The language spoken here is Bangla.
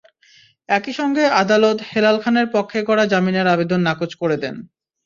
একই সঙ্গে আদালত হেলাল খানের পক্ষে করা জামিনের আবেদন নাকচ করে দেন।